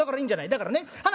だからね